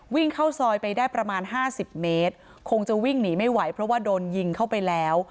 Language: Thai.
วิ่งเข้าซอยไปได้ประมาณ๕๐เมตรคงจะวิ่งหนีไม่ไหวเพราะว่าโดนยิงเข้าไปแล้ว